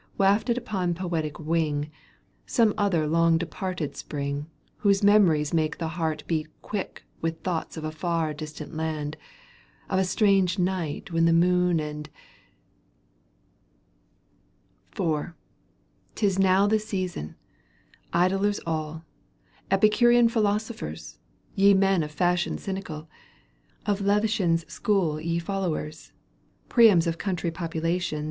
189 Wafted upon poetic wing, Some other long departed Spring, Whose memories make the heart beat quick With thoughts of a far distant land, Of a strange night when the moon* and IV, Tis now the season I Idlers aU, Epicurean philosophers, Ye men of fashion cynical, Of Levshin's school ye followers, ^" Priams of country populations